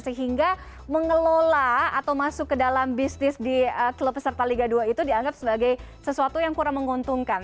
sehingga mengelola atau masuk ke dalam bisnis di klub peserta liga dua itu dianggap sebagai sesuatu yang kurang menguntungkan